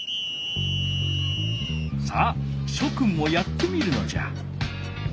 さあしょくんもやってみるのじゃ。